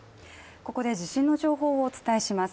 ここで地震の情報をお伝えします。